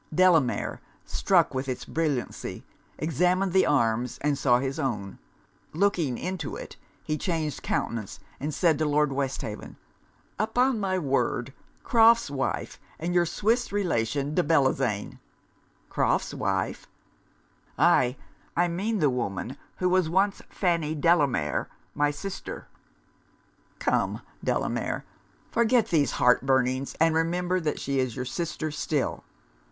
Delamere, struck with its brilliancy, examined the arms and saw his own: looking into it, he changed countenance, and said to Lord Westhaven 'Upon my word! Crofts' wife and your Swiss relation, de Bellozane!' 'Crofts' wife?' 'Aye. I mean the woman who was once Fanny Delamere, my sister.' 'Come, Delamere, forget these heartburnings, and remember that she is your sister still.'